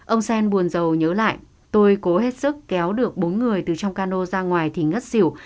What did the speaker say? ông sen buồn dầu nhớ lại tôi cố hết sức kéo được bốn người từ trong cano ra ngoài thì ngất xỉu